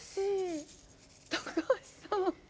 高橋さん。